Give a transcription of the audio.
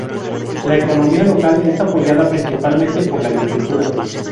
La economía local es apoyada principalmente por la agricultura.